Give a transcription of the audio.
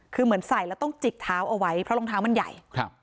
คือเหมือนใส่แล้วต้องจิกเท้าเอาไว้เพราะรองเท้ามันใหญ่ครับ